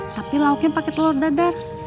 tapi lauknya pakai telur dada